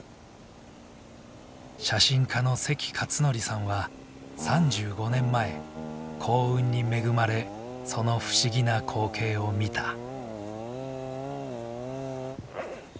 写真家の関勝則さんは３５年前幸運に恵まれその不思議な光景を見た。